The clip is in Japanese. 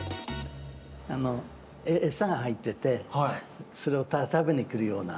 餌が入っててそれを食べに来るような。